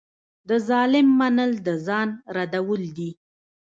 د ظالم منل د ځان ردول دي.